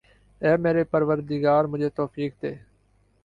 اے میرے پروردگا مجھے توفیق دے